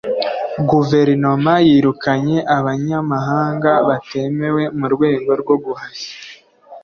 guverinoma yirukanye abanyamahanga batemewe mu rwego rwo guhashya